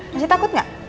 masih takut gak